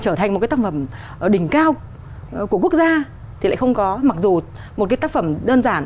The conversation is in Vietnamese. trở thành một cái tác phẩm ở đỉnh cao của quốc gia thì lại không có mặc dù một cái tác phẩm đơn giản